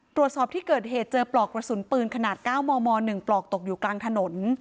ตรวจสอบที่เกิดเหตุเจอปลอกกระสุนปืนขนาด๙มม๑ปลอกตกอยู่กลางถนน